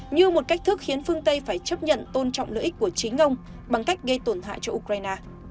như một cách thức khiến phương tây phải chấp nhận tôn trọng lợi ích của chính ông bằng cách gây tổn hại cho ukraine